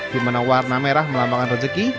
di mana warna merah melambangkan rezeki